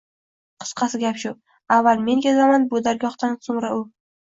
Qisqasi gap shu: avval men ketaman bu dargohdan, so‘ngra — u…